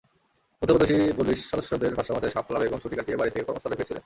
প্রত্যক্ষদর্শী পুলিশ সদস্যদের ভাষ্যমতে, শাপলা বেগম ছুটি কাটিয়ে বাড়ি থেকে কর্মস্থলে ফিরছিলেন।